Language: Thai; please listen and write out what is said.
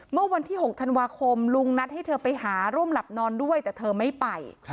เมื่อวันที่๖ธันวาคมลุงนัดให้เธอไปหาร่วมหลับนอนด้วยแต่เธอไม่ไป